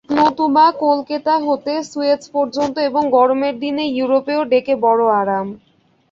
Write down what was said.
নতুবা কলকেতা হতে সুয়েজ পর্যন্ত এবং গরমের দিনে ইউরোপেও ডেকে বড় আরাম।